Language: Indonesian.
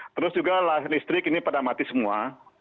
terus juga listrik ini pada mati semua